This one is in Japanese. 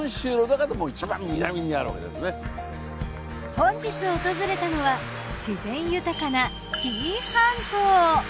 本日訪れたのは自然豊かな紀伊半島。